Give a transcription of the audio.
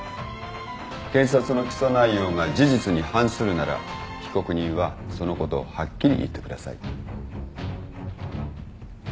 検察の起訴内容が事実に反するなら被告人はそのことをはっきり言ってください。